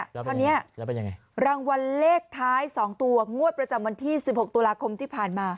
แล้วเป็นยังไงแล้วเป็นยังไงรางวัลเลขท้ายสองตัวงวดประจำวันที่สิบหกตัวลาคมที่ผ่านมา